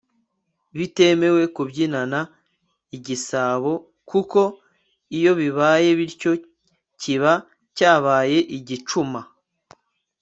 bitemewe kubyinana igisabo kuko iyo bibaye bityo kiba cyabaye igicuma